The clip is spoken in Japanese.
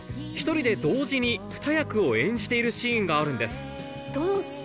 １人で同時にふた役を演じているシーンがあるんです